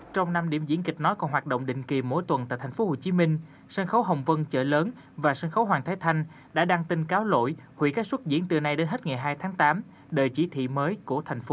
trong năm điểm diễn kịch nói còn hoạt động định kỳ mỗi tuần tại tp hcm sân khấu hồng vân chợ lớn và sân khấu hoàng thái thanh đã đăng tin cáo lỗi hủy các xuất diễn từ nay đến hết ngày hai tháng tám đợi chỉ thị mới của tp hcm